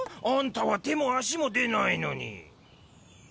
あんたは手も足も出ないのに。